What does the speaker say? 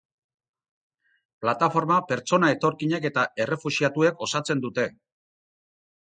Plataforma pertsona etorkinek eta errefuxiatuek osatzen dute.